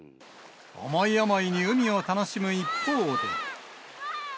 思い思いに海を楽しむ一方で。